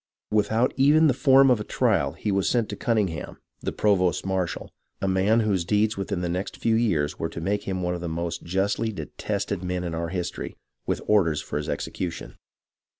Without even the form of a trial he was sent to Cunningham, the provost marshal, a man whose deeds within the next few years were to make him one of the most justly detested men in our history, with orders for his execution.